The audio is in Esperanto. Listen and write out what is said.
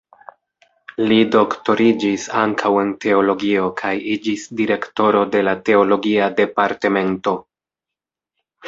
Li doktoriĝis ankaŭ en teologio kaj iĝis direktoro de la teologia departemento.